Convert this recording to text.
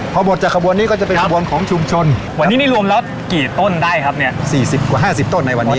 พอหมดจากขบวนนี้ก็จะเป็นขบวนของชุมชนวันนี้นี่รวมแล้วกี่ต้นได้ครับเนี่ย๔๐กว่า๕๐ต้นในวันนี้